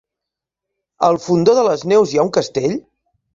A el Fondó de les Neus hi ha un castell?